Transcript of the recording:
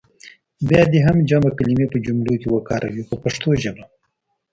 بیا دې هغه جمع کلمې په جملو کې وکاروي په پښتو ژبه.